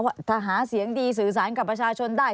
ถ้าหาเสียงดีสื่อสารกับประชาชนได้